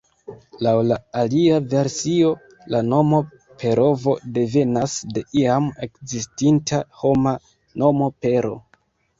Laŭ la alia versio, la nomo Perovo devenas de iam ekzistinta homa nomo Pero.